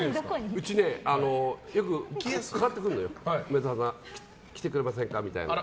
うち、よくかかってくる梅沢さん来てくれませんかみたいな。